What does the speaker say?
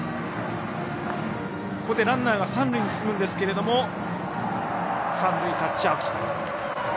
ここでランナーが三塁に進むんですけれども三塁タッチアウト。